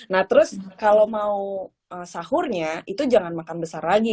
nah terus kalau mau sahurnya itu jangan makan besar lagi